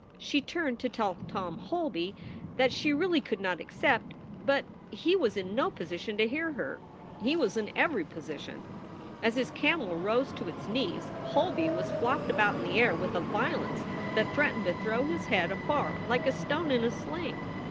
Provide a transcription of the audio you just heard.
She turned to tell Tom Holby that she 128 SOULS FOR SALE really could not accept. But he was in no position to hear her. He was in every position. As his camel rose to its knees, Holby was flopped about in the air with a violence that threatened to throw his head afar like a stone in a sling.